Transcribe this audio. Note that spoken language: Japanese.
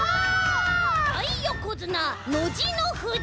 だいよこづなノジの富士！